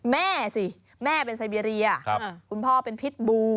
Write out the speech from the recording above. แม่สิแม่เป็นไซเบียคุณพ่อเป็นพิษบู